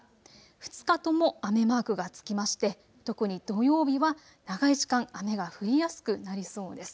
２日とも雨マークが付きまして、特に土曜日は長い時間雨が降りやすくなりそうです。